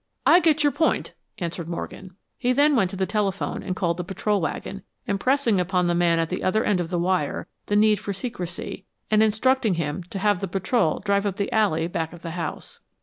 "I get your point," answered Morgan. He then went to the telephone and called the patrol wagon, impressing upon the man at the other end of the wire, the need for secrecy, and instructing him to have the patrol drive up the alley back of the house.